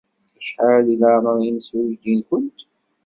Acḥal deg leɛmeṛ-nnes uydi-nwent?